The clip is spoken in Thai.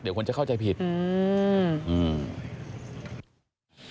เดี๋ยวคนจะเข้าใจผิดอืม